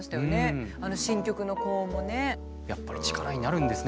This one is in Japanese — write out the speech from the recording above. やっぱり力になるんですね